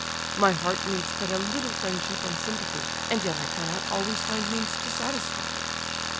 My heart needs but a little friendship and sympathy, and yet I cannot always find means to satisfy it."